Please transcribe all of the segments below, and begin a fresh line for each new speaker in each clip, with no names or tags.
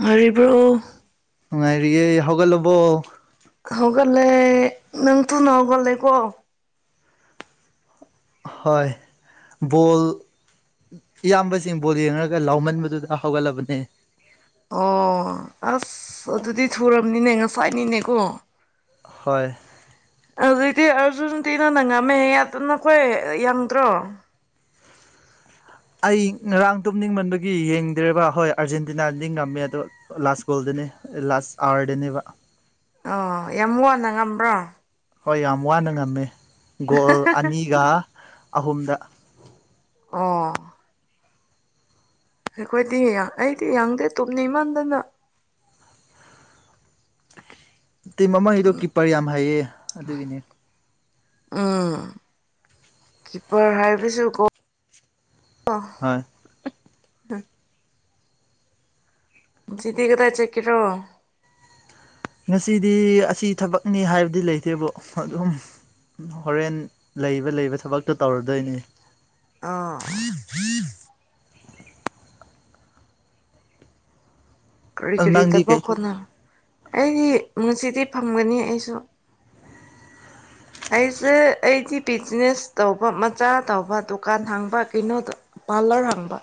ꯉꯥꯏꯔꯤꯕ꯭ꯔꯣ
ꯅꯨꯡꯉꯥꯏꯔꯤꯌꯦ ꯍꯧꯒꯠꯂꯕꯣ
ꯍꯧꯒꯠꯂꯦ ꯅꯪ ꯊꯨꯅ ꯍꯧꯒꯠꯂꯦꯀꯣ
ꯍꯣꯏ ꯕꯣꯜ ꯏꯌꯥꯝꯕꯁꯤꯡ ꯕꯣꯜ ꯌꯦꯡꯔꯒ ꯂꯥꯎꯃꯟꯕꯗꯨꯗ ꯍꯧꯒꯠꯂꯕꯅꯦ
ꯑꯣ ꯑꯁ ꯑꯗꯨꯗꯤ ꯊꯨꯔꯝꯅꯤꯅꯦ ꯉꯁꯥꯏꯅꯤꯅꯦꯀꯣ
ꯍꯣꯏ
ꯑꯖꯤꯛꯇꯤ ꯑꯥꯔꯖꯨꯟꯇꯤꯅꯥꯅ ꯉꯝꯃꯦ ꯍꯥꯏꯌꯦ ꯑꯗꯨ ꯅꯈꯣꯏ ꯌꯡꯗ꯭ꯔꯣ
ꯑꯩ ꯉꯔꯥꯡ ꯇꯨꯝꯅꯤꯡꯃꯟꯕꯒꯤ ꯌꯦꯡꯗ꯭ꯔꯦꯕ ꯍꯣꯏ ꯑꯥꯔꯖꯦꯟꯇꯤꯅꯥꯗꯤ ꯉꯝꯃꯦ ꯑꯗꯣ ꯂꯥꯁ ꯒꯣꯜꯗꯅꯤ ꯂꯥꯁ ꯑꯋꯥꯔꯗꯅꯦꯕ
ꯑꯣ ꯌꯥꯝ ꯋꯥꯅ ꯉꯝꯕ꯭ꯔꯣ
ꯍꯣꯏ ꯌꯥꯝ ꯋꯥꯅ ꯉꯝꯃꯦ ꯒꯣꯜ ꯑꯅꯤꯒ ꯑꯍꯨꯝꯗ
ꯑꯣ ꯑꯩꯈꯣꯏꯗꯤ ꯑꯩꯗꯤ ꯌꯥꯡꯗꯦ ꯇꯨꯝꯅꯤꯡꯃꯟꯗꯅ
ꯇꯤꯝ ꯑꯃꯒꯤꯗꯣ ꯀꯤꯞꯄ꯭ꯔ ꯌꯥꯝ ꯍꯩꯌꯦ ꯑꯗꯨꯒꯤꯅꯦ
ꯎꯝ ꯀꯤꯄ꯭ꯔ ꯍꯥꯏꯕꯖꯨ ꯒꯣꯜ
ꯍꯣꯏ
ꯍꯧꯖꯤꯛꯇꯤ ꯀꯗꯥꯏ ꯆꯠꯀꯦꯔꯣ
ꯉꯁꯤꯗꯤ ꯑꯁꯤ ꯊꯕꯛꯅꯤ ꯍꯥꯏꯕꯗꯤ ꯂꯩꯇꯦꯕꯣ ꯑꯗꯨꯝ ꯍꯣꯔꯦꯟ ꯂꯩꯕ ꯂꯩꯕ ꯊꯕꯛꯇꯣ ꯇꯧꯔꯗꯣꯏꯅꯤ
ꯑꯥ ꯀꯔꯤ
ꯑꯗꯨ
ꯀꯔꯤ
ꯅꯪꯗꯤ
ꯇꯕꯛ
ꯀꯩ
ꯈꯣꯠꯅ ꯑꯩꯗꯤ ꯉꯁꯤꯗꯤ ꯐꯝꯒꯅꯤ ꯑꯩꯁꯨ ꯑꯩꯁꯦ ꯑꯩꯗꯤ ꯄꯤꯖꯤꯅꯦꯁ ꯇꯧꯕ ꯃꯆꯥ ꯇꯧꯕ ꯗꯨꯀꯥꯟ ꯍꯥꯡꯕ ꯀꯩꯅꯣꯗꯣ ꯄꯥꯂ꯭ꯔ ꯍꯡꯕ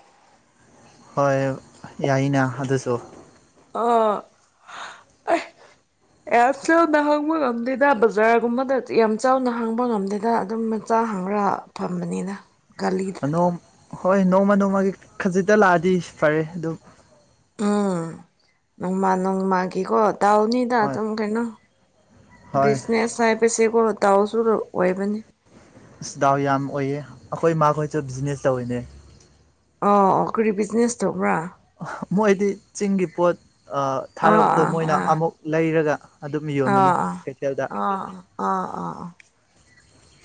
ꯍꯣꯏ ꯌꯥꯏꯅ ꯑꯗꯨꯁꯨ
ꯑꯣ ꯑꯦ ꯌꯥꯝ ꯆꯥꯎꯅ ꯍꯥꯡꯕ ꯉꯝꯗꯦꯗ ꯕꯖꯥꯔꯒꯨꯝꯕꯗ ꯌꯥꯝ ꯆꯥꯎꯅ ꯍꯥꯡꯕ ꯉꯝꯗꯦꯗ ꯑꯗꯨꯝ ꯆꯥ ꯍꯥꯡꯔꯒ ꯐꯝꯕꯅꯤꯗ ꯒꯂꯤ
ꯑꯅꯣꯝ ꯍꯣꯏ ꯅꯣꯡꯃ ꯅꯣꯡꯃꯒꯤ ꯈꯖꯤꯛꯇ ꯂꯥꯛꯑꯗꯤ ꯐꯔꯦ ꯑꯗꯨꯝ
ꯎꯝ ꯅꯣꯡꯃꯥ ꯅꯣꯡꯃꯒꯤꯀꯣ ꯗꯥꯎꯅꯤ ꯑꯗ
ꯍꯣꯏ
ꯑꯗꯨꯝ ꯀꯩꯅꯣ
ꯍꯣꯏ
ꯕꯤꯖꯤꯅꯦꯁ ꯍꯥꯏꯕꯁꯦꯀꯣ ꯗꯥꯎꯁꯨꯔꯨ ꯑꯣꯏꯕꯅꯤ
ꯑꯁ ꯗꯥꯎ ꯌꯥꯝ ꯑꯣꯏꯌꯦ ꯑꯈꯣꯏ ꯃꯥ ꯈꯣꯏꯁꯨ ꯕꯤꯖꯤꯅꯦꯁ ꯇꯧꯋꯤꯅꯦ
ꯑꯣ ꯀꯔꯤ ꯕꯤꯖꯤꯅꯦꯁ ꯇꯧꯕ꯭ꯔꯥ
ꯃꯣꯏꯗꯤ ꯆꯤꯡꯒꯤ ꯄꯣꯠ ꯑ ꯊꯥꯔꯛꯄꯗꯣ
ꯑꯥ
ꯃꯣꯏꯅ
ꯑꯥ
ꯑꯃꯨꯛ ꯂꯩꯔꯒ ꯑꯗꯨꯝ
ꯑꯥ
ꯌꯣꯟꯕꯅꯤ
ꯑꯥ
ꯀꯩꯊꯦꯜꯗ
ꯑꯥ ꯑꯥ ꯑꯥ ꯑꯥ ꯑꯥ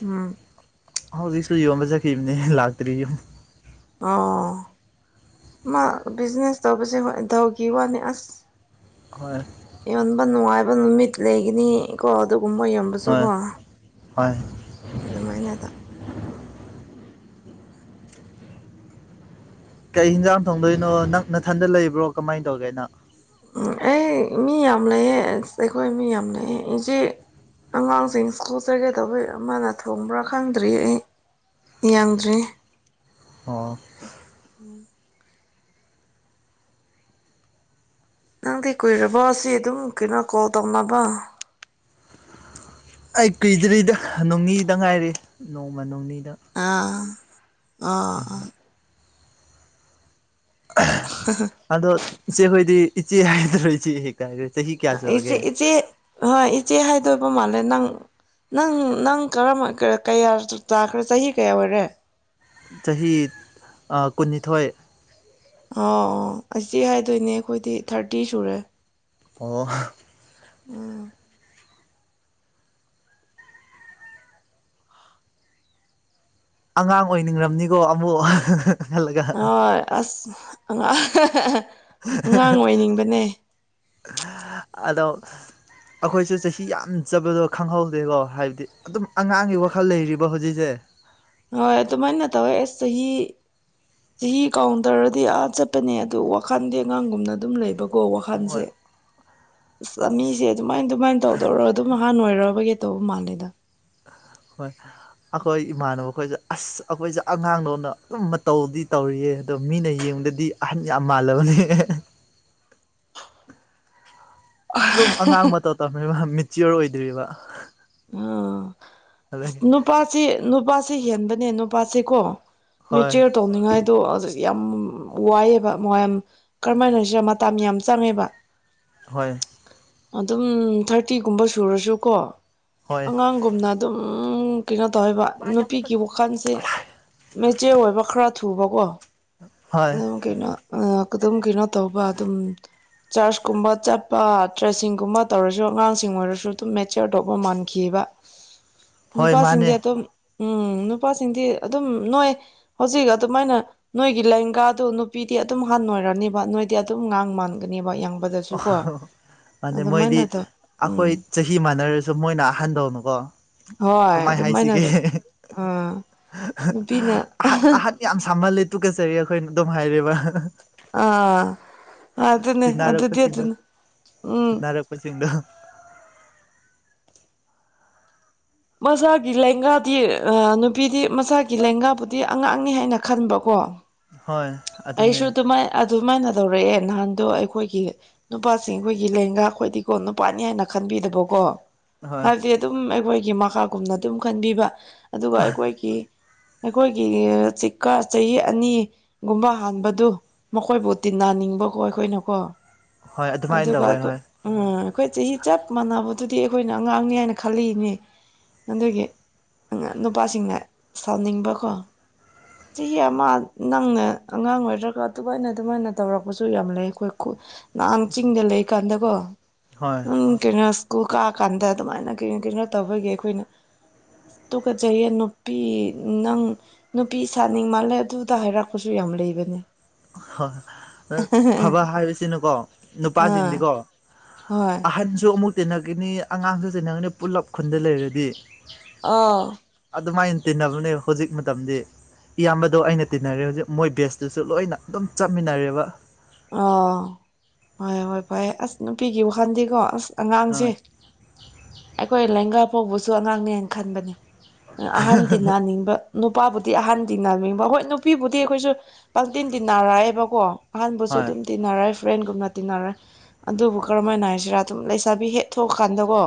ꯎꯝ
ꯍꯧꯖꯤꯛꯁꯨ ꯌꯣꯟꯕ ꯆꯠꯈꯤꯕꯅꯦ ꯂꯥꯛꯇ꯭ꯔꯤ ꯌꯨꯝ
ꯑꯣ ꯑꯃꯥ ꯕꯤꯖꯤꯅꯦꯁ ꯇꯧꯕꯁꯦ ꯍꯣꯏ ꯗꯥꯎꯒꯤ ꯋꯥꯅꯦ ꯑꯁ
ꯍꯣꯏ
ꯌꯣꯟꯕ ꯅꯨꯡꯉꯥꯏꯕ ꯅꯨꯃꯤꯠ ꯂꯩꯒꯅꯤ ꯀꯣ ꯑꯗꯨꯒꯨꯝꯕ ꯌꯝ
ꯍꯣꯏ
ꯕꯁꯨꯀꯣ
ꯍꯣꯏ
ꯑꯗꯨꯃꯥꯏꯅꯗ
ꯀꯩ ꯍꯤꯟꯖꯥꯡ ꯊꯣꯡꯗꯣꯏꯅꯣ ꯅꯛ ꯅꯊꯟꯗ ꯂꯩꯕ꯭ꯔꯣ ꯀꯃꯥꯏ ꯇꯧꯒꯦ ꯅꯪ
ꯑꯩ ꯃꯤ ꯌꯥꯝ ꯂꯩꯑꯦ ꯑꯁ ꯑꯩꯈꯣꯏ ꯃꯤ ꯌꯥꯝ ꯂꯩꯑꯦ ꯏꯆꯦ ꯑꯉꯥꯡꯁꯤꯡ ꯁ꯭ꯀꯨꯜ ꯆꯠꯀꯗꯧꯕꯩ ꯑꯃꯅ ꯊꯣꯡꯕ꯭ꯔꯥ ꯈꯪꯗ꯭ꯔꯤ ꯑꯩ ꯌꯥꯡꯗ꯭ꯔꯤ
ꯑꯥ
ꯅꯪꯗꯤ ꯀꯨꯏꯔꯕꯣ ꯑꯁꯤ ꯑꯗꯨꯝ ꯀꯩꯅꯣ ꯀꯣꯜ ꯇꯧꯅꯕ
ꯑꯩ ꯀꯨꯏꯗ꯭ꯔꯤꯗ ꯅꯣꯡꯅꯤꯗ ꯉꯥꯏꯔꯤ ꯅꯣꯡꯃ ꯅꯣꯡꯅꯤꯗ
ꯑꯥ ꯑꯣꯥ
ꯑ
ꯍ
ꯑꯗꯣ ꯏꯆꯦ ꯑꯩꯈꯣꯏꯗꯤ ꯏꯆꯦ ꯍꯥꯏꯗ꯭ꯔꯣ ꯏꯆꯦ ꯍꯦꯛꯇ ꯍꯥꯏꯈꯦ ꯆꯍꯤ ꯀꯌꯥ
ꯑꯥ ꯏꯆꯦ
ꯆꯨꯔꯒꯦ
ꯏꯆꯦ ꯍꯣꯏ ꯏꯆꯦ ꯍꯥꯏꯗꯣꯏꯕ ꯃꯥꯜꯂꯦ ꯅꯪ ꯅꯪ ꯅꯪ ꯀꯔ ꯀꯌꯥ ꯇꯥꯈ꯭ꯔꯦ ꯆꯍꯤ ꯀꯌꯥ ꯑꯣꯏꯔꯦ
ꯆꯍꯤ ꯀꯨꯟꯅꯤꯊꯣꯏ
ꯑꯥꯎ ꯑꯁꯤ ꯍꯥꯏꯗꯣꯏꯅꯦ ꯑꯩꯈꯣꯏꯗꯤ ꯊꯥꯔꯇꯤ ꯁꯨꯔꯦ
ꯑꯣ
ꯎꯝ
ꯑꯉꯥꯡ ꯑꯣꯏꯅꯤꯡ꯭ꯔꯝꯅꯤꯀꯣ ꯑꯃꯨꯛ ꯈꯜꯂꯒ
ꯍꯣꯏ ꯑꯁ ꯍ
ꯑꯗꯣ ꯑꯩꯈꯣꯏꯁꯨ ꯆꯍꯤ ꯌꯥꯝ ꯆꯕꯗꯣ ꯈꯪꯍꯧꯗꯦꯀꯣ ꯍꯥꯏꯕꯗꯤ ꯑꯗꯨꯝ ꯑꯉꯥꯡꯒꯤ ꯋꯥꯈꯜ ꯂꯩꯔꯤꯕ ꯍꯧꯖꯤꯛꯁꯦ
ꯍꯣꯏ ꯑꯗꯨꯃꯥꯏꯅ ꯇꯧꯋꯦ ꯑꯦꯁ ꯆꯍꯤ ꯆꯍꯤ ꯀꯥꯎꯟꯇꯔꯗꯤ ꯑꯥ ꯆꯠꯄꯅꯦ ꯑꯗꯨ ꯋꯥꯈꯜꯗꯤ ꯑꯉꯥꯡꯒꯨꯝꯅ ꯑꯗꯨꯝ ꯂꯩꯕ ꯀꯣ ꯋꯥꯈꯜꯁꯦ
ꯍꯣꯏ
ꯑ ꯆꯥ ꯃꯤꯁꯦ ꯑꯗꯨꯃꯥꯏ ꯑꯗꯨꯃꯥꯏꯅ ꯇꯧꯗꯧꯔ ꯑꯗꯨꯝ ꯅꯍꯥꯟ ꯑꯣꯏꯔꯛꯑꯔꯕꯒꯦ ꯇꯧꯕ ꯃꯥꯜꯂꯦꯗ
ꯍꯣꯏ ꯑꯩꯈꯣꯏ ꯏꯃꯥꯟꯅꯕ ꯈꯣꯏꯁꯦ ꯑꯁ ꯑꯩꯈꯣꯏꯁꯦ ꯑꯉꯥꯡꯗꯣꯅ ꯑꯗꯨꯝ ꯃꯇꯧꯗꯤ ꯇꯧꯔꯤꯌꯦꯅ ꯑꯗꯣ ꯃꯤꯅ ꯌꯦꯡꯕꯗꯗꯤ ꯑꯍꯟ ꯌꯥꯝ ꯃꯥꯜꯂꯕꯅꯦ ꯑꯗꯨꯝ ꯑꯉꯥꯡ ꯃꯇꯧ ꯇꯝꯃꯤꯕ ꯃꯦꯆꯤꯌꯣꯔ ꯑꯣꯏꯗ꯭ꯔꯤꯕ
ꯑꯥ
ꯑꯗꯒꯤ
ꯅꯨꯄꯥꯁꯤ ꯅꯨꯄꯥꯁꯤ ꯍꯦꯟꯕꯅꯦ ꯅꯨꯄꯥꯁꯤꯀꯣ
ꯍꯣꯏ
ꯃꯦꯆ ꯇꯧꯅꯤꯡꯉꯥꯏꯗꯣ ꯌꯥꯝ ꯋꯥꯏꯑꯦꯕ ꯃꯌꯥꯝ ꯀꯔꯝꯍꯥꯏꯅꯔꯤꯁꯤꯔ ꯃꯇꯝ ꯌꯥꯝ ꯆꯪꯉꯦꯕ
ꯍꯣꯏ
ꯑꯗꯨꯝ ꯊꯥꯔꯇꯤꯒꯨꯝꯕ ꯁꯨꯔꯁꯨꯀꯣ
ꯍꯣꯏ
ꯑꯉꯥꯡꯒꯨꯝꯅ ꯎ ꯀꯩꯅꯣ ꯇꯧꯋꯦꯕ ꯅꯨꯄꯤꯒꯤ ꯋꯥꯈꯜꯁꯦ ꯃꯦꯆꯦ ꯑꯣꯏꯕ ꯈꯔ ꯊꯨꯕꯀꯣ
ꯍꯣꯏ
ꯑꯗꯨ ꯀꯩꯅꯣ ꯑꯗꯨꯝ ꯀꯩꯅꯣ ꯇꯧꯕ ꯑꯗꯨꯝ ꯆꯔꯁꯀꯨꯝꯕ ꯆꯠꯄ ꯇ꯭ꯔꯦꯁꯤꯡꯒꯨꯝꯕ ꯇꯧꯔꯁꯨ ꯑꯉꯥꯡꯁꯤꯡ ꯑꯣꯏꯔꯁꯨ ꯑꯗꯨꯝ ꯃꯦꯆꯤꯌꯔ ꯇꯧꯕ ꯃꯥꯟꯈꯤꯕ
ꯍꯣꯏ ꯃꯥꯅꯦ
ꯅꯨꯄꯥꯁꯤꯡꯗꯤ ꯑꯗꯨꯝ ꯎꯝ ꯅꯨꯄꯥꯁꯤꯡꯗꯤ ꯑꯗꯨꯝ ꯅꯣꯏ ꯍꯧꯖꯤꯛ ꯑꯗꯨꯃꯥꯏꯅ ꯅꯣꯏꯒꯤ ꯂꯦꯡꯒꯥꯗꯨꯣ ꯅꯨꯄꯤꯗꯤ ꯑꯗꯨꯝ ꯍꯥꯟꯣꯏꯔꯅꯤꯕ ꯅꯣꯏꯗꯤ ꯑꯗꯨꯝ ꯉꯥꯡ ꯃꯥꯟꯒꯅꯦꯕ ꯌꯥꯡꯕꯗꯁꯨ ꯀꯣ
ꯃꯅꯤ ꯃꯣꯏꯗꯤ
ꯑꯗꯨꯃꯥꯏꯅ ꯇꯧ
ꯑꯩꯈꯣꯏ
ꯎꯝ
ꯆꯍꯤ ꯃꯥꯟꯅꯔꯁꯨ ꯃꯣꯏꯅ ꯑꯍꯥꯟꯕꯗꯧꯅꯨꯀꯣ
ꯍꯣꯏ ꯑꯗꯨꯃꯥꯏꯅꯗ ꯑꯥ ꯅꯨꯄꯤꯅ
ꯑꯍꯟ ꯑꯍꯟ ꯌꯥꯝ ꯁꯥꯃꯜꯂꯦ ꯇꯨꯀꯠꯆꯔꯤ ꯑꯩꯈꯣꯏꯅ ꯑꯗꯨꯝ ꯍꯥꯏꯔꯔꯤꯕ
ꯑ ꯑꯗꯨ ꯑꯗꯨꯦ ꯑꯗꯤ ꯑꯗꯨꯅ ꯎꯝ
ꯄꯆꯗ
ꯃꯆꯥꯒꯤ ꯂꯦꯡꯒꯥꯗꯤ ꯅꯨꯄꯤꯗꯤ ꯃꯆꯥꯒꯤ ꯂꯦꯡꯒꯥꯕꯨꯗꯤ ꯑꯉꯥꯡꯅꯤ ꯍꯥꯏꯅ ꯈꯟꯕꯀꯣ
ꯍꯣꯏ ꯑꯗꯨꯅꯦ
ꯑꯩꯁꯨ ꯑꯗꯨꯃꯥꯏ ꯑꯗꯨꯃꯥꯏꯅ ꯇꯧꯔꯛꯑꯦ ꯅꯍꯥꯟꯗꯣ ꯑꯩꯈꯣꯏꯒꯤ ꯅꯨꯄꯥꯁꯤꯡ ꯑꯩꯈꯣꯏꯒꯤ ꯂꯦꯡꯉꯥꯛ ꯑꯩꯈꯣꯏꯗꯤꯀꯣ ꯅꯨꯄꯥꯅꯤ ꯍꯥꯏꯅ ꯈꯟꯕꯤꯗꯕꯀꯣ
ꯍꯣꯏ
ꯍꯥꯏꯕꯗꯤ ꯑꯗꯨꯝ ꯑꯩꯈꯣꯏꯒꯤ ꯃꯈꯥꯒꯨꯝꯅ ꯑꯗꯨꯝ ꯈꯟꯕꯤꯕ ꯑꯗꯨꯒ ꯑꯩꯈꯣꯏꯒꯤ ꯑꯩꯈꯣꯏꯒꯤ ꯆꯤꯀꯥ ꯆꯍꯤ ꯑꯅꯤ ꯒꯨꯝꯕ ꯍꯥꯟꯕꯗꯨ ꯃꯈꯣꯏꯕꯨ ꯇꯤꯟꯅꯅꯤꯡꯕꯀꯣ ꯑꯩꯈꯣꯏꯅꯀꯣ
ꯍꯣꯏ
ꯑꯗꯨ
ꯑꯗꯨꯃꯥꯏꯅ ꯇꯧꯋꯦ
ꯑꯗꯨ ꯄ
ꯍꯣꯏ
ꯎꯝ ꯑꯩꯈꯣꯏ ꯆꯍꯤ ꯆꯞ ꯃꯥꯟꯅꯕꯗꯨꯗꯤ ꯑꯩꯈꯣꯏꯅ ꯑꯉꯥꯡꯅꯤ ꯍꯥꯏꯅ ꯈꯜꯂꯤꯅꯦ ꯑꯗꯨꯒꯤ ꯑꯉꯥꯝ ꯅꯨꯄꯥꯁꯤꯡꯅ ꯁꯥꯎꯅꯤꯡꯕꯀꯣ ꯆꯍꯤ ꯑꯃ ꯅꯪꯅ ꯑꯉꯥꯡ ꯑꯣꯏꯔꯒ ꯑꯗꯨꯃꯥꯏꯅ ꯑꯗꯨꯃꯥꯏꯅ ꯇꯧꯔꯛꯄꯁꯨ ꯌꯥꯝ ꯂꯩ ꯑꯩꯈꯣꯏ ꯈꯨ ꯅꯍꯥꯟ ꯆꯤꯡꯗ ꯂꯩꯀꯥꯟꯗꯀꯣ
ꯍꯣꯏ
ꯎꯝ ꯀꯩꯅꯣ ꯁ꯭ꯀꯨꯜ ꯀꯥꯀꯥꯟꯗ ꯑꯗꯨꯃꯥꯏꯅ ꯀꯩꯅꯣ ꯀꯩꯅꯣ ꯇꯧꯕꯒꯤ ꯑꯩꯈꯣꯏꯅ ꯇꯨꯀꯠꯆꯩꯌꯦ ꯅꯨꯄꯤ ꯅꯪ ꯅꯨꯄꯤ ꯁꯥꯅꯤꯡ ꯃꯜꯂꯦ ꯑꯗꯨꯗ ꯍꯥꯏꯔꯛꯄꯁꯨ ꯁꯨ ꯌꯥꯝ ꯂꯩꯕꯅꯦ
ꯍꯣꯏ ꯑ ꯐꯕ ꯍꯥꯏꯕꯁꯤꯅꯀꯣ
ꯑꯥ
ꯅꯨꯄꯥꯁꯤꯡꯗꯤꯀꯣ
ꯍꯣꯏ
ꯑꯍꯟꯁꯨ ꯑꯃꯨꯛ ꯇꯤꯟꯅꯈꯤꯅꯤ ꯑꯉꯥꯡꯁꯨ ꯇꯤꯟꯅꯒꯅꯤ ꯄꯨꯂꯞ ꯈꯨꯟꯗ ꯂꯩꯔꯗꯤ
ꯑꯥ
ꯑꯗꯨꯃꯥꯏꯅ ꯇꯤꯟꯅꯕꯅꯦ ꯍꯧꯖꯤꯛ ꯃꯇꯝꯗꯤ ꯏꯌꯥꯝꯕꯗꯣ ꯑꯩꯅ ꯇꯤꯟꯅꯔꯦ ꯍꯧꯖꯤꯛ ꯃꯣꯏ ꯕꯦꯁꯇꯨꯁꯨ ꯂꯣꯏꯅ ꯑꯗꯨꯝ ꯆꯠꯃꯤꯟꯅꯔꯦꯕ
ꯑꯣ ꯍꯣꯏ ꯍꯣꯏ ꯐꯩꯌꯦ ꯑꯁ ꯅꯨꯄꯤꯒꯤ ꯋꯥꯈꯜꯗꯤꯀꯣ ꯑꯁ
ꯑ
ꯑꯉꯥꯡꯁꯦ ꯑꯩꯈꯣꯏ ꯂꯦꯡꯒꯥ ꯐꯥꯎꯕꯁꯨ ꯑꯉꯥꯡꯅꯦꯅ ꯈꯟꯕꯅꯤ ꯑꯍꯟ ꯇꯤꯟꯅꯅꯤꯡꯕ ꯅꯨꯄꯥꯕꯨꯗꯤ ꯑꯍꯟ ꯇꯤꯟꯅꯥꯅꯤꯡꯕ ꯍꯣꯏ ꯅꯨꯄꯤꯕꯨꯗꯤ ꯑꯩꯈꯣꯏꯁꯨ ꯄꯡꯇꯤꯟ ꯇꯤꯟꯅꯥꯔꯛꯑꯦꯕꯀꯣ ꯑꯍꯟꯕꯨꯁꯨ
ꯍꯣꯏ
ꯑꯗꯨꯝ ꯇꯤꯟꯅꯔꯦ ꯐ꯭ꯔꯦꯟꯒꯨꯝꯅ ꯇꯤꯟꯅꯔꯦ ꯑꯗꯨꯕꯨ ꯀꯔꯝꯃꯥꯏꯅ ꯍꯥꯏꯁꯤꯔꯥ ꯑꯗꯨꯝ ꯂꯩꯁꯥꯕꯤ ꯍꯦꯛ ꯊꯣꯛꯀꯥꯟꯗꯀꯣ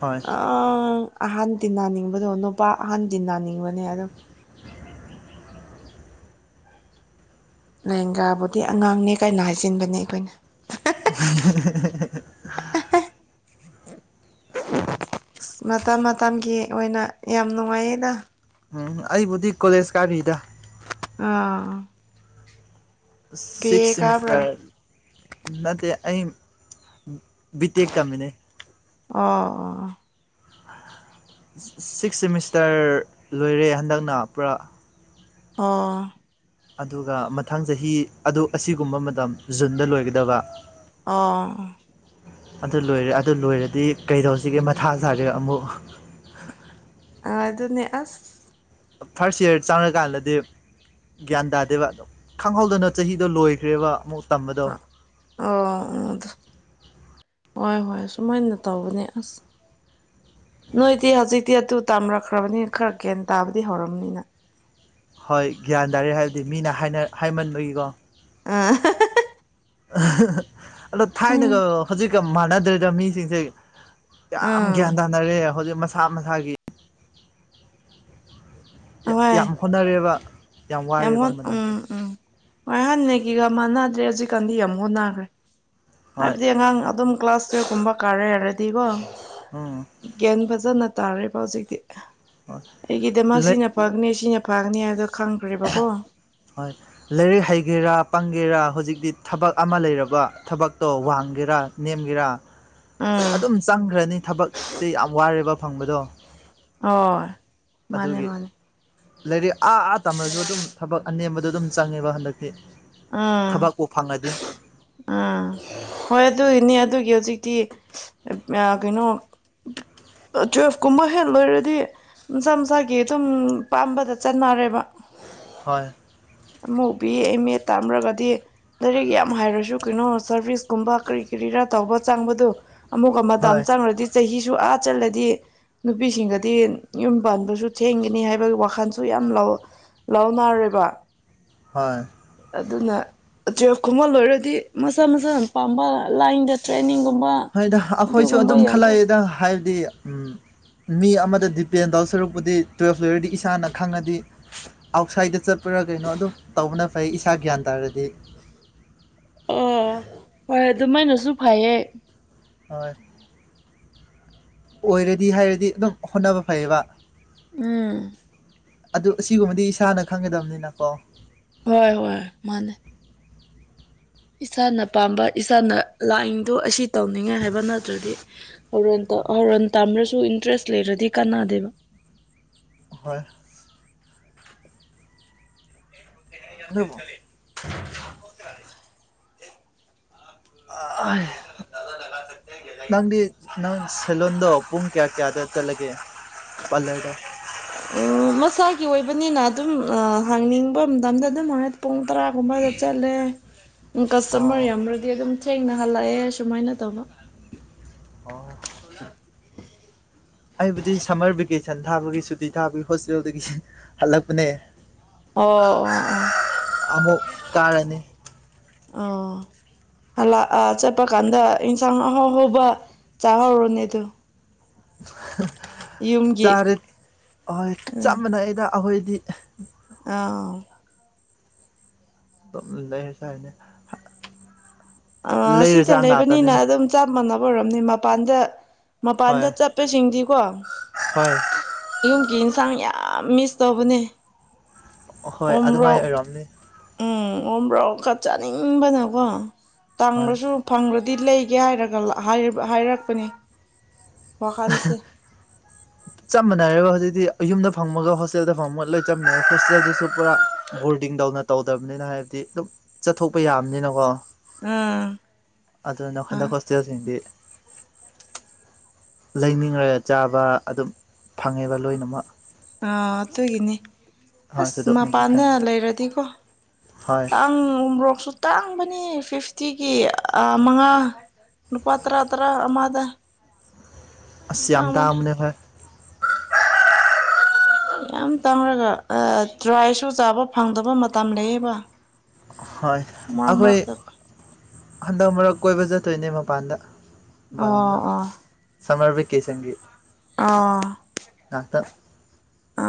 ꯍꯣꯏ
ꯑꯥ ꯑꯍꯟ ꯇꯤꯟꯅꯅꯤꯡꯕꯗꯣ ꯅꯨꯄꯥ ꯑꯍꯟ ꯇꯤꯟꯅꯅꯤꯡꯕꯅꯦ ꯑꯗꯨꯝ ꯂꯦꯡꯒꯥꯕꯨꯗꯤ ꯑꯉꯥꯡꯅꯦ ꯀꯥꯏꯅ ꯍꯥꯏꯖꯤꯟꯕꯅꯦ ꯑꯩꯈꯣꯏꯅ
[unintelligible]
ꯑꯁ ꯃꯇꯝ ꯃꯇꯝꯒꯤ ꯑꯣꯏꯅ ꯌꯥꯝ ꯅꯨꯡꯉꯥꯏꯌꯦꯗ
ꯎꯝ ꯑꯩꯕꯨꯗꯤ ꯀꯣꯂꯦꯖ ꯀꯥꯔꯤꯗ
ꯑꯥ
ꯑꯁ
ꯕꯤ ꯑꯦ
ꯁꯤꯛꯁ
ꯀꯥꯕ꯭ꯔꯥ
ꯁꯤꯃꯤꯁꯇꯔ ꯅꯠꯇꯦ ꯑꯩ ꯕꯤꯇꯦꯛ ꯇꯝꯃꯤꯅꯦ
ꯑꯣ ꯑꯣ ꯑꯣ
ꯁꯤꯛꯁ ꯁꯦꯃꯤꯁꯇꯔ ꯂꯣꯏꯔꯦ ꯍꯟꯗꯛꯅ ꯄꯨꯔꯥ
ꯑꯣ
ꯑꯗꯨꯒ ꯃꯊꯪ ꯆꯍꯤ ꯑꯗꯨ ꯑꯁꯤꯒꯨꯝꯕ ꯃꯇꯝ ꯖꯨꯟꯗ ꯂꯣꯏꯒꯗꯕ
ꯑꯥꯎ ꯑꯣ
ꯑꯗꯨ ꯂꯣꯏꯔꯦ ꯑꯗꯨ ꯂꯣꯏꯔꯗꯤ ꯀꯩꯗꯧꯁꯤꯒꯦ ꯃꯊꯥ ꯁꯥꯔꯦ ꯑꯃꯨꯛ
ꯑ ꯑꯗꯨꯅꯦ ꯑꯁ
ꯐꯥꯔꯁ ꯏꯌꯥꯔ ꯆꯪꯔꯀꯥꯟꯗꯗꯤ ꯒ꯭ꯌꯥꯟ ꯇꯥꯗꯦꯕ ꯈꯪꯍꯧꯗꯅ ꯆꯍꯤꯗꯣ ꯂꯣꯏꯈ꯭ꯔꯦꯕ ꯑꯃꯨꯛ ꯇꯝꯕꯗꯣ
ꯑꯣ ꯑꯗ ꯍꯣꯏ ꯍꯣꯏ ꯁꯨꯃꯥꯏꯅ ꯇꯧꯕꯅꯦ ꯑꯁ ꯅꯣꯏꯗꯤ ꯍꯧꯖꯤꯛꯇꯤ ꯑꯗꯨ ꯇꯝꯔꯛꯈ꯭ꯔꯕꯅꯤꯅ ꯈꯔ ꯒꯌꯥꯟ ꯇꯥꯕꯗꯤ ꯍꯧꯔꯝꯃꯅꯤ ꯅꯪ
ꯍꯣꯏ ꯒ꯭ꯌꯥꯟ ꯇꯥꯔꯦ ꯍꯥꯏꯕꯗꯤ ꯃꯤꯅ ꯍꯥꯏꯅ ꯍꯥꯏꯃꯟꯕꯒꯤꯀꯣ
ꯑꯥ ꯍ ꯍꯥ ꯍꯥ ꯍ
ꯑꯍ ꯍ ꯑꯗꯣ ꯊꯥꯏꯅꯒ
ꯎꯝ
ꯍꯧꯖꯤꯛꯀ ꯃꯥꯟꯅꯗ꯭ꯔꯦꯗ ꯃꯤꯁꯤꯡꯁꯦ ꯌꯥꯝ ꯒ꯭ꯌꯥꯟ
ꯎꯝ
ꯇꯥꯅꯔꯦ ꯍꯧꯖꯤꯛ ꯃꯁꯥ ꯃꯁꯥꯒꯤ ꯌꯥ
ꯍꯣꯏ
ꯌꯥꯝ ꯍꯣꯠꯅꯔꯦꯕ
ꯌꯥꯝ
ꯋꯥꯔꯦꯕ
ꯍꯣꯟ ꯎꯝ
ꯃꯇꯝꯁꯦ
ꯎꯝ ꯃꯣꯏ ꯍꯥꯟꯅꯒꯤꯒ ꯃꯥꯟꯅꯗ꯭ꯔꯦ ꯍꯧꯖꯤꯛꯀꯥꯟꯗꯤ ꯌꯥꯝ ꯍꯣꯠꯅꯈ꯭ꯔꯦ
ꯍꯣꯏ
ꯍꯥꯏꯕꯗꯤ ꯑꯉꯥꯡ ꯑꯗꯨꯝ ꯀ꯭ꯂꯥꯁ ꯇꯨꯌꯦꯜꯞ ꯀꯨꯝꯕ ꯀꯥꯔꯦ ꯍꯥꯏꯔꯗꯤꯀꯣ
ꯎꯝ
ꯒ꯭ꯌꯥꯟ ꯐꯖꯅ ꯇꯥꯔꯦꯕ ꯍꯧꯖꯤꯛꯇꯤ ꯑꯩꯒꯤꯗꯃꯛ
ꯍꯣꯏ
ꯁꯤꯅ ꯐꯒꯅꯦ ꯁꯤꯅ ꯐꯒꯅꯤ ꯍꯥꯏꯕꯗꯣ ꯈꯪꯈ꯭ꯔꯦꯕꯀꯣ
ꯍꯣꯏ ꯂꯥꯏꯔꯤꯛ ꯍꯩꯒꯦꯔꯥ ꯄꯪꯒꯦꯔꯥ ꯍꯧꯖꯤꯛꯇꯤ ꯊꯕꯛ ꯑꯃ ꯂꯩꯔꯕ ꯊꯕꯛꯇꯣ ꯋꯥꯡꯒꯦꯔꯥ ꯅꯦꯝꯒꯦꯔꯥ
[unintelligible]
ꯑꯗꯨꯝ ꯆꯪꯈ꯭ꯔꯅꯤ ꯊꯕꯛꯁꯦ ꯌꯥꯝ ꯋꯥꯔꯦꯕ ꯐꯪꯕꯗꯣ
ꯑꯣ ꯃꯥꯅꯦ
ꯑꯗꯨꯒꯤ
ꯃꯥꯅꯦ
ꯂꯥꯏꯔꯤꯛ ꯑꯥ ꯑꯥ ꯇꯝꯃꯔꯁꯨ ꯑꯗꯨꯝ ꯊꯕꯛ ꯑꯅꯦꯝꯕꯗꯣ ꯑꯗꯨꯝ ꯆꯪꯉꯦꯕ ꯍꯟꯗꯛꯇꯤ
ꯑꯥ
ꯊꯕꯛꯄꯨ ꯐꯪꯉꯗꯤ
ꯑꯥ ꯍꯣꯏ ꯑꯗꯨꯒꯤꯅꯤ ꯑꯗꯨꯒꯤ ꯍꯧꯖꯤꯛꯇꯤ ꯀꯩꯅꯣ ꯇꯨꯋꯜꯐ ꯀꯨꯝꯕ ꯍꯦꯟ ꯂꯣꯏꯔꯗꯤ ꯃꯁꯥ ꯃꯁꯥꯒꯤ ꯑꯗꯨꯝ ꯄꯥꯝꯕꯗ ꯆꯠꯅꯔꯦꯕ
ꯍꯣꯏ
ꯑꯃ ꯎꯕꯤ ꯑꯦꯝ ꯑꯦ ꯇꯥꯝ꯭ꯔꯒꯗꯤ ꯂꯥꯏꯏꯔꯤꯛ ꯌꯥꯝ ꯍꯥꯏꯔꯁꯨ ꯀꯩꯅꯣ ꯁꯔꯚꯤꯁꯀꯨꯝꯕ ꯀꯔꯤ ꯀꯔꯤꯔꯥ ꯇꯧꯕ ꯆꯪꯕꯗꯣ ꯑꯃꯨꯛꯀ
ꯍꯣꯏ
ꯃꯇꯝ ꯆꯪꯉꯨꯔꯗꯤ ꯆꯍꯤꯁꯨ ꯑꯥ ꯆꯜꯂꯗꯤ ꯅꯨꯄꯤꯁꯤꯡꯒꯗꯤ ꯌꯨꯝ ꯄꯥꯟꯕꯁꯨ ꯊꯦꯡꯒꯅꯤ ꯍꯥꯏꯕꯒꯤ ꯋꯥꯈꯜꯁꯨ ꯌꯥꯝ ꯂꯧꯋ ꯂꯥꯎ ꯅꯥꯔꯦꯔꯕ
ꯍꯣꯏ
ꯑꯗꯨꯅ ꯇ꯭ꯔꯞ ꯈꯨꯝꯍꯜ ꯂꯣꯏꯔꯗꯤ ꯃꯁꯥ ꯃꯁꯥꯅ ꯄꯥꯝꯕ ꯂꯥꯏꯟꯗ ꯇ꯭ꯔꯦꯟꯅꯤꯡꯒꯨꯝꯕ
ꯍꯣꯏꯗ ꯑꯩꯈꯣꯏꯁꯨ ꯑꯗꯨꯝ ꯈꯜꯂꯛꯑꯦꯗ ꯍꯥꯏꯕꯗꯤ ꯃꯤ ꯑꯃꯗ ꯗꯤꯄꯦꯟ ꯇꯧ ꯁꯔꯨꯛꯄꯨꯗꯤ ꯇꯨꯌꯦꯜꯐ ꯂꯩꯣꯏꯔꯗꯤ ꯏꯁꯥꯅ ꯈꯪꯉꯗꯤ ꯑꯥꯎꯠꯁꯥꯏꯗ ꯆꯠꯄ꯭ꯔꯥ ꯀꯩꯅꯣ ꯑꯗꯨꯝ ꯇꯧꯕꯅ ꯐꯩ ꯏꯁꯥ ꯒ꯭ꯌꯥꯟ ꯇꯥꯔꯗꯤ
ꯑꯣ ꯍꯣꯏ ꯑꯗꯨꯃꯥꯏꯅꯁꯨ ꯐꯩꯌꯦ
ꯍꯣꯏ ꯑꯣꯏꯔꯗꯤ ꯍꯥꯏꯔꯗꯤ ꯑꯗꯨꯝ ꯍꯣꯠꯅꯕ ꯐꯩꯌꯦꯕ
ꯎꯝ
ꯑꯗꯨ ꯑꯁꯤꯒꯨꯝꯕꯗꯤ ꯏꯁꯥꯅ ꯈꯪꯒꯗꯕꯅꯤꯅꯀꯣ
ꯍꯣꯏ ꯍꯣꯏ ꯃꯥꯅꯦ ꯏꯁꯥꯅ ꯄꯥꯝꯕ ꯏꯁꯥꯅ ꯂꯥꯛꯅꯤꯡꯗꯣ ꯑꯁꯤ ꯇꯧꯅꯤꯡꯉꯦ ꯍꯥꯏꯕ ꯅꯠꯇ꯭ꯔꯗꯤ ꯍꯣꯔꯦꯟ ꯍꯣꯔꯣꯟ ꯇꯝꯃ꯭ꯔꯁꯨ ꯏꯟꯇꯔꯦꯁ ꯂꯩꯔꯗꯤ ꯀꯥꯟꯅꯥꯗꯦꯕ
ꯍꯣꯏ
ꯐꯔ
ꯑꯗꯨꯕꯨ
ꯆꯂ
ꯅꯪꯗꯤ ꯅꯪ ꯁꯦꯂꯣꯟꯗꯣ ꯄꯨꯡ ꯀꯌꯥ ꯀꯌꯥꯗ ꯆꯠꯂꯒꯦ ꯄꯥꯔꯂꯔꯗꯣ
ꯎꯝ ꯃꯁꯥꯒꯤ ꯑꯣꯏꯕꯅꯤꯅ ꯑꯗꯨꯝ ꯍꯥꯡꯅꯤꯡꯕ ꯃꯇꯝꯗ ꯑꯗꯨꯝ ꯍꯥꯏꯔ ꯄꯨꯡ ꯇꯔꯥꯒꯨꯝꯕꯗ ꯆꯠꯂꯦ
ꯑꯣ
ꯀꯁꯇꯃꯔ ꯌꯥꯝ꯭ꯔꯗꯤ ꯑꯗꯨꯝ ꯊꯦꯡꯅ ꯍꯜꯂꯛꯑꯦ ꯁꯨꯃꯥꯏꯅ ꯇꯧꯕ
ꯑꯣ ꯑꯩꯕꯨꯗꯤ ꯁꯝꯃꯔ ꯚꯦꯀꯦꯁꯟ ꯊꯥꯕꯒꯤ ꯁꯨꯇꯤ ꯊꯥꯕꯒꯤ ꯍꯣꯁꯇꯦꯜꯗꯒꯤ ꯍꯜꯂꯛꯄꯅꯦ
ꯑꯣ ꯑꯣ
ꯑꯃꯨꯛ ꯀꯥꯔꯅꯤ
ꯑꯣ ꯂꯥꯛꯑ ꯆꯠꯄ ꯀꯥꯟꯗ ꯌꯦꯟꯁꯥꯡ ꯑꯍꯥꯎ ꯍꯧꯕ ꯆꯥꯍꯧꯔꯨꯅꯦ ꯑꯗꯨꯣ ꯌꯨꯝꯒꯤ
ꯆꯥꯔꯦ ꯑꯍꯣꯏ ꯆꯞ ꯃꯥꯟꯅꯩꯗ ꯑꯩꯈꯣꯏꯗꯤ
ꯑ
ꯂꯩꯁꯥꯏꯅꯦ
ꯑ ꯁꯤꯇ ꯂꯩꯕꯅꯤꯅ ꯑꯗꯨꯝ ꯆꯞ ꯃꯥꯟꯅꯕ ꯑꯣꯏꯔꯔꯕꯅꯤ ꯃꯄꯥꯟꯗ ꯃꯄꯥꯟꯗ
ꯍꯣꯏ
ꯆꯠꯄꯁꯤꯡꯗꯤꯀꯣ
ꯍꯣꯏ
ꯌꯨꯝꯒꯤ ꯌꯦꯟꯁꯥꯡ ꯌꯥꯝ ꯃꯤꯁ ꯇꯧꯕꯅꯦ
ꯑꯍꯣꯏ ꯑꯗꯨꯃꯥꯏꯅ
ꯎꯣꯔꯣꯛ
ꯑꯣꯏꯔꯣꯑꯝꯅꯦ
ꯎꯝ ꯑꯣꯝꯕ꯭ꯔꯣ ꯈ ꯆꯥꯅꯤꯡꯕꯅꯀꯣ
ꯍꯣꯏ
ꯇꯥꯡꯈꯁꯨ ꯐꯪꯈ꯭ꯔꯗꯤ ꯂꯩꯒꯦ ꯍꯥꯏꯔꯒ ꯍꯥꯏꯔꯛꯄꯅꯦ ꯋꯥꯈꯜꯁꯦ [unintelligible]
ꯆꯞ ꯃꯥꯟꯅꯔꯦꯕ ꯍꯧꯖꯤꯛꯇꯤ ꯌꯨꯝꯗ ꯐꯪꯕꯒ ꯍꯣꯁꯇꯦꯜꯗ ꯐꯪꯕꯒ ꯂꯣꯏ ꯆꯞ ꯃꯥꯟꯅꯔꯦ ꯍꯣꯁꯇꯦꯜꯗꯨꯁꯨ ꯄꯨꯔꯥ ꯕꯣꯔꯗꯤꯡꯗꯧꯅ ꯇꯧꯗꯕꯅꯤꯅ ꯍꯥꯏꯕꯗꯤ ꯑꯗꯨꯝ ꯆꯠꯊꯣꯛꯄ ꯌꯥꯕꯅꯤꯅꯀꯣ
ꯑꯥ
ꯑꯗꯨꯅ ꯍꯟꯈꯛ
ꯑꯥ
ꯍꯣꯁꯇꯦꯜꯁꯤꯡꯗꯤ
[unintelligible]
ꯂꯩꯅꯤꯡꯉꯒ ꯆꯥꯕ ꯑꯗꯨꯝ ꯐꯪꯉꯦꯕ ꯂꯣꯏꯅꯃꯛ
ꯑ ꯑꯗꯨꯒꯤꯅꯤ
ꯍꯣꯏ
ꯑꯁ
ꯊꯣꯏꯗꯣꯛꯅꯗꯤ
ꯃꯄꯥꯟꯗ
ꯈꯟꯗꯦ
ꯂꯩꯔꯗꯤꯀꯣ
ꯍꯣꯏ
ꯇꯥꯡ ꯎꯃꯨꯔꯣꯛꯁꯨ ꯇꯥꯡꯕꯅꯤ ꯐꯤꯞꯇꯤꯒꯤ ꯃꯉꯥ ꯂꯨꯄꯥ ꯇꯔꯥ ꯇꯔꯥ ꯑꯃꯗ
ꯑꯁ ꯌꯥꯝ ꯇꯡꯕꯅꯦꯍꯦ
ꯌꯥꯝ ꯇꯥꯡꯉꯒ ꯗ꯭ꯔꯥꯏꯁꯨ ꯆꯥꯕ ꯐꯪꯗꯕ ꯃꯇꯝ ꯂꯩꯌꯦꯕ
ꯍꯣꯏ
ꯃꯔꯛ
ꯑꯩꯈꯣꯏ
ꯃꯔꯛꯇ
ꯍꯟꯗꯛ ꯃꯔꯛ ꯀꯣꯏꯕ ꯆꯠꯇꯣꯏꯅꯦ ꯃꯄꯥꯟꯗ
ꯑꯣ
ꯃꯄꯥꯟꯂꯝꯗ
ꯑꯣ
ꯁꯝꯃꯔ ꯕꯦꯀꯦꯁꯟꯒꯤ
ꯑꯣ
ꯉꯥꯛꯇ
ꯑ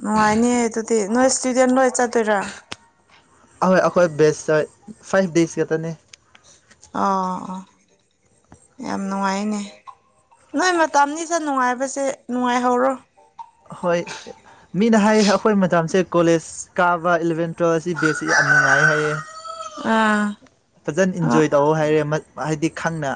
ꯅꯨꯡꯉꯥꯏꯅꯤꯌꯦ ꯑꯗꯨꯗꯤ ꯅꯣꯏ ꯏꯁꯇꯨꯗꯦꯟ ꯂꯣꯏ ꯆꯠꯇꯣꯏꯔꯥ
ꯑꯍꯣꯏ ꯑꯩꯈꯣꯏ ꯕꯦꯁꯇ ꯍꯣꯏ ꯑꯩꯈꯣꯏ ꯗꯦꯖ ꯈꯛꯇꯅꯦ
ꯑꯥ ꯑꯥ ꯌꯥꯝ ꯅꯨꯡꯉꯥꯏꯅꯦ ꯅꯣꯏ ꯃꯇꯝꯅꯤꯁꯗ ꯅꯨꯡꯉꯥꯏꯕꯁꯦ ꯅꯨꯡꯉꯥꯏꯍꯧꯔꯣ
ꯍꯣꯏ ꯃꯤꯅ ꯍꯥꯏꯌꯦ ꯑꯩꯈꯣꯏ ꯃꯇꯝꯁꯦ ꯀꯣꯂꯦꯖ ꯀꯥꯕ ꯏꯂꯚꯦꯟ ꯇꯨꯋꯦꯜꯞꯁꯤ ꯕꯦꯁꯁꯤ ꯌꯥꯝ ꯅꯨꯡꯉꯥꯏ ꯍꯥꯏꯌꯦ
ꯑꯥ
ꯐꯖꯅ ꯏꯟꯖꯣꯏ ꯇꯧꯑꯣ ꯍꯥꯏꯔꯦ ꯍꯥꯏꯗꯤ ꯈꯪꯅ